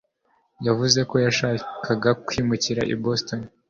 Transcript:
yavuze ko yashakaga kwimukira i boston